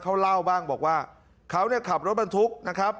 เขาเล่าบ้างบอกว่าเขาเนี่ยขับรถบรรทุกนะครับ